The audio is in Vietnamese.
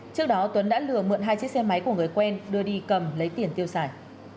trước đó tuấn đã lừa mượn hai chiếc xe máy của người quen đưa đi cầm lấy tiền tiêu xài